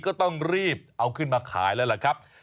ก็ต้องรีบเอาขึ้นมาขายแล้วล่ะครับ